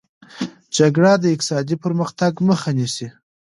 جګړه د اقتصادي پرمختګ مخه نیسي.